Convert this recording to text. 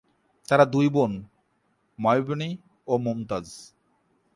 তার দুই বোন, মউবনি ও মুমতাজ।